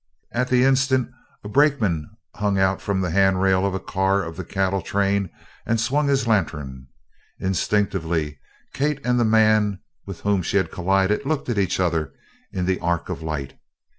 At the instant a brakeman hung out from the handrail of a car of the cattle train and swung his lantern. Instinctively Kate and the man with whom she had collided looked at each other in the arc of light.